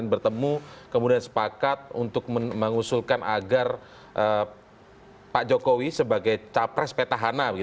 ykpu mulai asing mengunsung chance ini